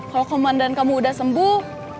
kalau komandan kamu udah sembuh